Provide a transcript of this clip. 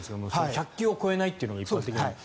１００球を超えないというのが一般的なので。